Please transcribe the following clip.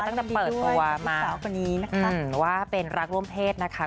ก็ต้องจะเปิดตัวมาว่าเป็นรักร่วมเพศนะคะ